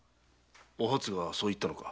おはつがそう言ったのか？